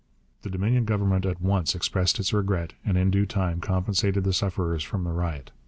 The Dominion Government at once expressed its regret and in due time compensated the sufferers from the riot.